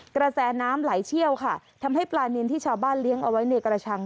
กระแสน้ำไหลเชี่ยวค่ะทำให้ปลานินที่ชาวบ้านเลี้ยงเอาไว้ในกระชัง